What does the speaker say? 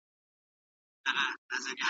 بد اخلاق تل ژوند خرابوي